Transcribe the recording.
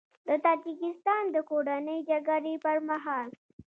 د تاجیکستان د کورنۍ جګړې پر مهال